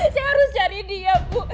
saya harus cari dia bu